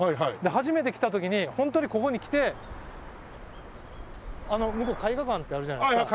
初めて来た時にホントにここに来て向こう絵画館ってあるじゃないですか。